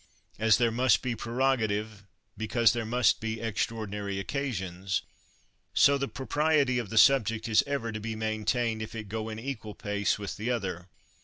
As there must be prerogative because there must be extraordinary occasions, so the propriety of the subject is ever to be main tained if it go in equal pace with the other.